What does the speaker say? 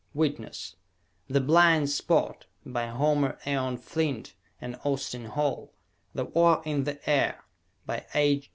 Witness: "The Blind Spot," by Homer Eon Flint and Austin Hall; "The War In The Air," by H.